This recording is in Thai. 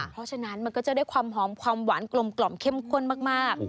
เพราะฉะนั้นมันก็จะได้ความหอมความหวานกลมเข้มข้นมาก